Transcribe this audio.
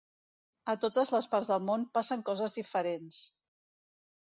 A totes les parts del món passen coses diferents.